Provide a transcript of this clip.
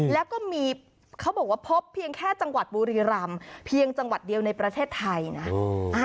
แล้วก็มีเขาบอกว่าพบเพียงแค่จังหวัดบุรีรำเพียงจังหวัดเดียวในประเทศไทยนะ